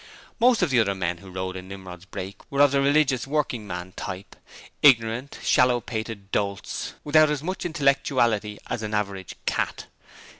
Most of the other men who rode in Nimrod's brake were of the 'religious' working man type. Ignorant, shallow pated dolts, without as much intellectuality as an average cat.